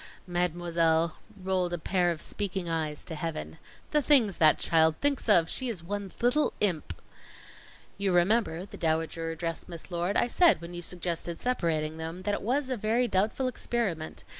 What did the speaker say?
_" Mademoiselle rolled a pair of speaking eyes to heaven. "The things that child thinks of! She is one little imp." "You remember," the Dowager addressed Miss Lord, "I said when you suggested separating them, that it was a very doubtful experiment.